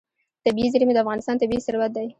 طبیعي زیرمې د افغانستان طبعي ثروت دی.